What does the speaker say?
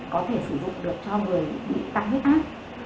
có thể sử dụng được cho người bị tạc dụng